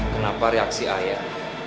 kenapa reaksi ayah